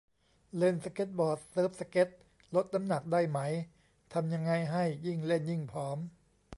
เล่นสเกตบอร์ด เซิร์ฟสเกต ลดน้ำหนักได้ไหม ทำยังไงให้ยิ่งเล่นยิ่งผอม